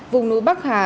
vùng núi bắc hà